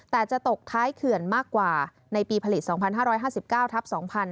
แต่จะตกท้ายเขื่อนมากกว่าในปีผลิต๒๕๕๙ทับ๒๕๕๙